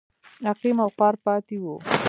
عقیم او خوار پاتې و.